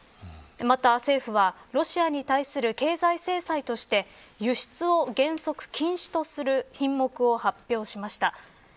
また政府はロシアに対する経済制裁として輸出を原則禁止とする品目を発表しました。